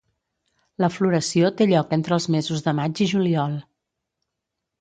La floració té lloc entre els mesos de maig i juliol.